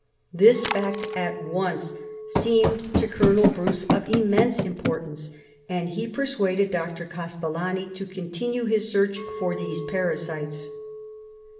This fact at once seemed to Colonel Bruce of immense importance, and he persuaded Dr. Castellani to continue his search for these parasites.